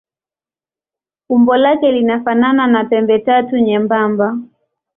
Umbo lake linafanana na pembetatu nyembamba.